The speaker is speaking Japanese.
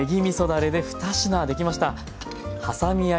だれで２品できました。